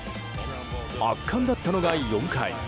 圧巻だったのが４回。